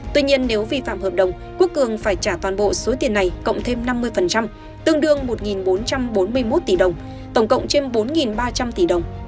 tuy nhiên nếu vi phạm hợp đồng quốc cường phải trả toàn bộ số tiền này cộng thêm năm mươi tương đương một bốn trăm bốn mươi một tỷ đồng tổng cộng trên bốn ba trăm linh tỷ đồng